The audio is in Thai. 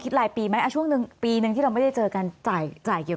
คิดหลายปีไหมช่วงนึงปีนึงที่เราไม่ได้เจอกันจ่ายจ่ายเกี่ยว